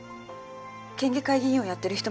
県議会議員をやってる人も